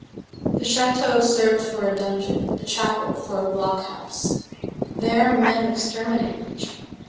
The château served for a dungeon, the chapel for a block house. There men exterminated each other.